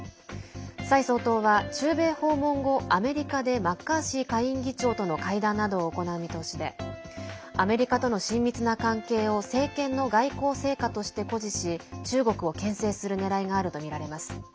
蔡総統は中米訪問後、アメリカでマッカーシー下院議長との会談などを行う見通しでアメリカとの親密な関係を政権の外交成果として誇示し中国をけん制するねらいがあるとみられます。